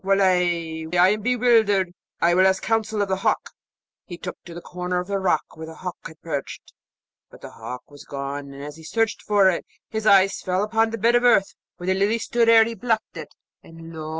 Wullahy! I am bewildered; I will ask counsel of the hawk.' He looked to the corner of the rock where the hawk had perched, but the hawk was gone; as he searched for it, his eyes fell upon the bed of earth where the Lily stood ere he plucked it, and lo!